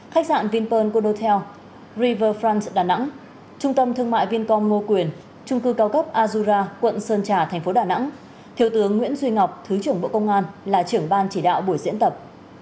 khách sạn vinpearl codotel riverfront đà nẵng trung tâm thương mại vincom ngô quyền trung cư cao cấp azura quận sơn trà tp đà nẵng thiếu tướng nguyễn duy ngọc thứ trưởng bộ công an là trưởng ban chỉ đạo buổi diễn tập